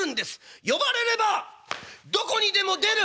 「呼ばれればどこにでも出る！」。